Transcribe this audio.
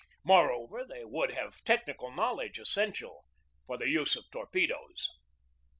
Moreover, they would have the technical knowledge essential for the use of torpedoes.